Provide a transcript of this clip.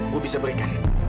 gue bisa berikan